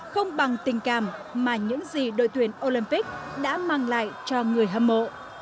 không bằng tình cảm mà những gì đội tuyển olympic đã mang lại cho người hâm mộ